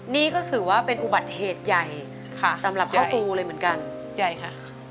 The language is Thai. นี่ก็ถือว่าเป็นอุบัติเหตุใหญ่ค่ะสำหรับข้าวตูเลยเหมือนกันใหญ่ค่ะ